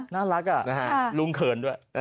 น่ารักลุงเขินด้วย